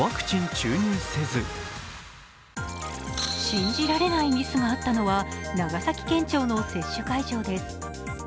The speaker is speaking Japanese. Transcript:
信じられないミスがあったのは長崎県庁の接種会場です。